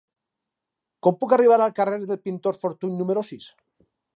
Com puc arribar al carrer del Pintor Fortuny número sis?